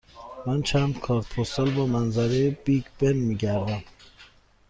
من چند کارت پستال با منظره بیگ بن می گردم.